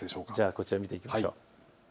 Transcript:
こちらを見てみましょう。